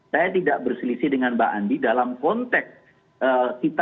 saya tidak berselisih dengan mbak andi dalam konteks kita melihat terhadap satu negara